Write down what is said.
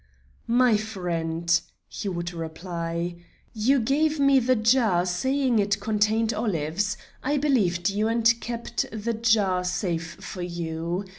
"My friend," he would reply, "you gave me the jar, saying it contained olives. I believed you and kept the jar safe for you.